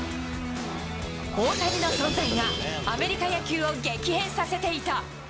大谷の存在が、アメリカ野球を激変させていた。